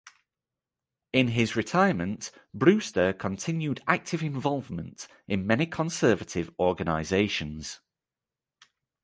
In his retirement Brewster continued active involvement in many conservative organizations.